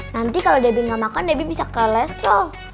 nanti kalau debi nggak makan debi bisa kalestrol